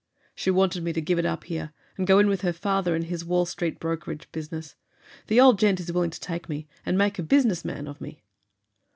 "She wanted me to give it up here, and go in with her father in his Wall Street brokerage business. The old gent is willing to take me, and make a business man of me."